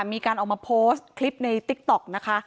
มีการออกมาโพสต์คลิปในติ๊กต๊อกนะคะ